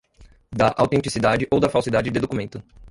da autenticidade ou da falsidade de documento.